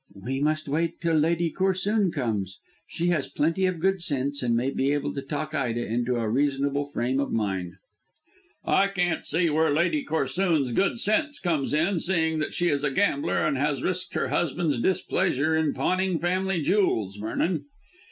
"We must wait until Lady Corsoon comes. She has plenty of good sense and may be able to talk Ida into a reasonable frame of mind." "I can't see where Lady Corsoon's good sense comes in, seeing that she is a gambler and has risked her husband's displeasure in pawning family jewels, Vernon.